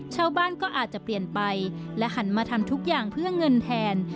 ชาวบ้านก็อาจจะเปลี่ยนไปและหันมาทำทุกอย่างเพื่อเงินแทน